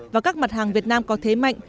và các mặt hàng việt nam có thế mạnh